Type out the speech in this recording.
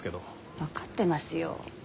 分かってますよ。